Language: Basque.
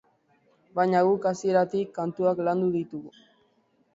Baina guk hasieratik, kantuak landu ditugu.